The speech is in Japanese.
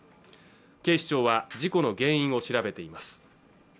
警視庁は事故の原因を調べています